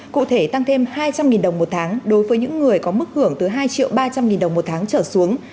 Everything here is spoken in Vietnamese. cụ thể tăng thêm hai trăm linh đồng một tháng đối với những người có mức hưởng từ hai triệu ba trăm linh đồng một tháng trở xuống